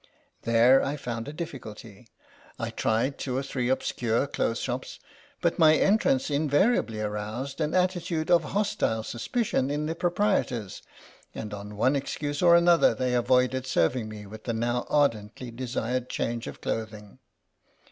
There I found a difficulty. I tried two or three obscure clothes shops, but my entrance in variably aroused an attitude of hostile sus picion in the proprietors, and on one excuse or another they avoided serving me with the now ardently desired change of clothing.